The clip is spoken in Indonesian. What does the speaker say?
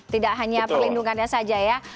tidak hanya perlindungannya saja ya